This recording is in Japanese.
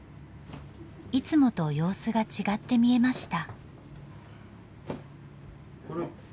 いつもと様子が違って見えました。